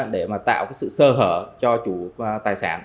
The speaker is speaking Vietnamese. để mà tạo cái sự sơ hở cho chủ tài sản